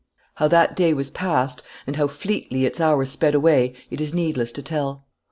How that day was passed, and how fleetly its hours sped away, it is needless to tell.